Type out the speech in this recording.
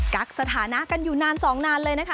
ักสถานะกันอยู่นานสองนานเลยนะคะ